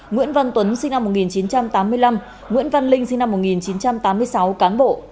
nguyễn văn tuấn sinh năm một nghìn chín trăm tám mươi năm nguyễn văn linh sinh năm một nghìn chín trăm tám mươi sáu cán bộ